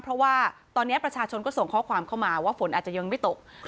เพราะว่าตอนนี้ประชาชนก็ส่งข้อความเข้ามาว่าฝนอาจจะยังไม่ตก